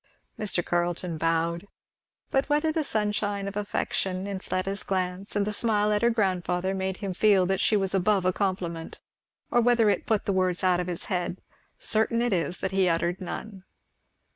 Mr. Carleton bowed. But whether the sunshine of affection in Fleda's glance and smile at her grandfather made him feel that she was above a compliment, or whether it put the words out of his head, certain it is that he uttered none.